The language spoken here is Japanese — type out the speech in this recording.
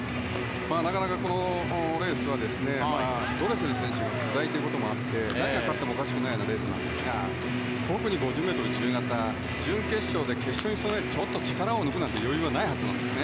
このレースはドレセル選手が不在で誰が勝ってもおかしくないレースなんですが特に５０ｍ自由形は準決勝で、決勝に備えてちょっと力を抜くという余裕はないはずです。